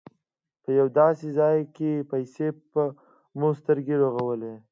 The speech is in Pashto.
په یو داسې ځای پسې مو سترګې رغولې.